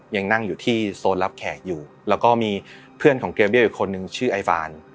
ยังนั่งอยู่ที่โซนรับแขกอยู่แล้วก็มีเพื่อนของเกเบี้ยอีกคนนึงชื่อไอฟาน